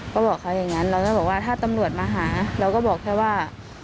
ก็บอกเขาอย่างนั้นเราก็บอกว่าถ้าตำรวจมาหาเราก็บอกแค่ว่า